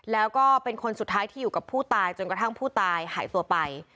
แล้วก็เป็นคนสุดท้ายที่อยู่กับผู้ตายจนกระทั่งผู้ตายหายตัวไป